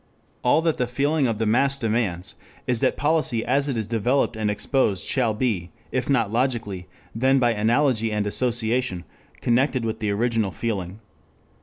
All that the feeling of the mass demands is that policy as it is developed and exposed shall be, if not logically, then by analogy and association, connected with the original feeling.